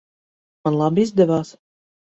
Man labi izdevās?